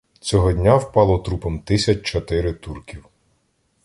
Цього дня впало трупом тисяч чотири турків.